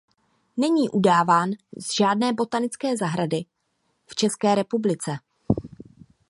Není udáván z žádné botanické zahrady v České republice.